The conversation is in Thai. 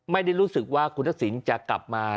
ไม่ได้รู้สึกว่าคุณทักษิณจะกลับมา